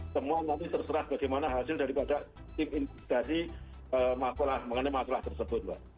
semua nanti terserah bagaimana hasil daripada tim dari makulah mengenai makulah tersebut pak